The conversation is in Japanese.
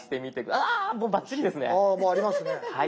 ああもうありますね。